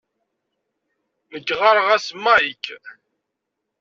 Nekk ɣɣareɣ-as Mike.